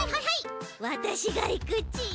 わたしがいくち。